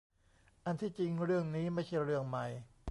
อันที่จริงเรื่องนี้ไม่ใช่เรื่องใหม่